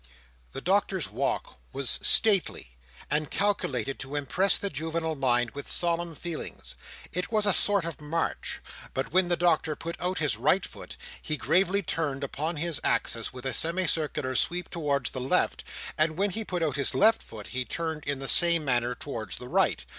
The Doctor's walk was stately, and calculated to impress the juvenile mind with solemn feelings. It was a sort of march; but when the Doctor put out his right foot, he gravely turned upon his axis, with a semi circular sweep towards the left; and when he put out his left foot, he turned in the same manner towards the right.